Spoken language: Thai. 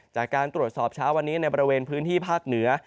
จากการตรวจสอบเช้าวันนี้ในบริเวณพื้นที่ภาคเหนือ